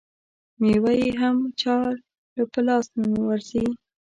مېوه یې هم چا له په لاس نه ورځي.